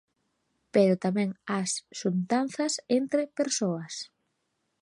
Pero tamén ás xuntanzas entre persoas.